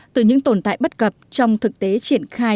từ những tồn tại bất cập trong thực tế triển khai